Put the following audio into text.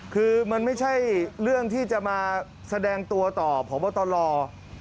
คือมันไม่ใช่เรื่องที่จะมาแสดงตัวต่อพบตร